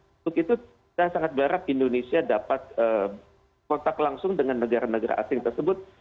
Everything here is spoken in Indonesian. untuk itu saya sangat berharap indonesia dapat kontak langsung dengan negara negara asing tersebut